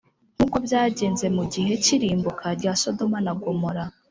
nk uko byagenze mu gihe cy irimbuka rya Sodomu na Gomora